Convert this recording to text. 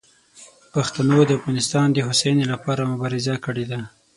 پښتنو د افغانستان د هوساینې لپاره مبارزه کړې ده.